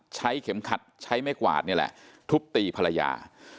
ใช้เข็มขัดใช้ไม่กวาดนี่แหละทุบตีภรรยา